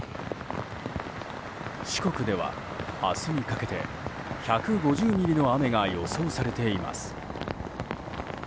四国では明日にかけて１５０ミリの雨が予想されています。